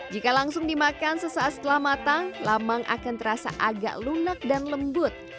jika langsung dimakan sesaat setelah matang lamang akan terasa agak lunak dan lembut